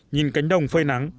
nhìn cảnh đông phơi nắng